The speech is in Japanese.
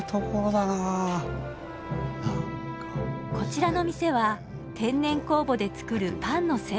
こちらの店は天然酵母で作るパンの専門店。